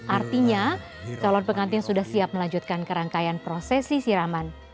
artinya calon pengantin sudah siap melanjutkan kerangkaian prosesi siraman